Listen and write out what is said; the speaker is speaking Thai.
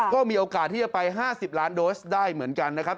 ก็มีโอกาสที่จะไป๕๐ล้านโดสได้เหมือนกันนะครับ